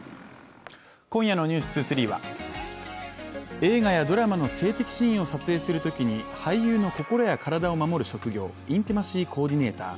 今夜の「ｎｅｗｓ２３」は映画やドラマの性的シーンを撮影するときに俳優の心や体を守る職業インティマシー・コーディネーター